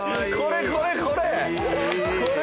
これこれこれ